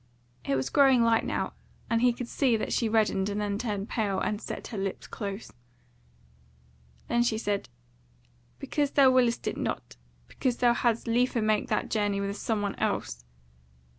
It was growing light now, and he could see that she reddened and then turned pale and set her lips close. Then she said: "Because thou willest it not: because thou hadst liefer make that journey with some one else."